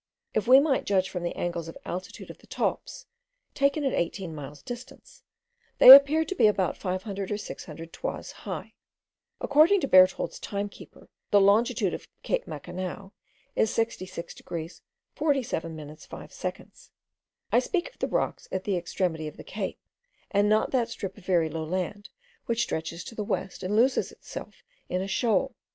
If we might judge from the angles of altitude of the tops, taken at eighteen miles' distance, they appeared to be about 500 or 600 toises high. According to Berthoud's time keeper, the longitude of Cape Macanao is 66 degrees 47 minutes 5 seconds. I speak of the rocks at the extremity of the cape, and not that strip of very low land which stretches to the west, and loses itself in a shoal.